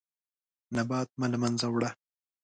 نبات مه له منځه وړه.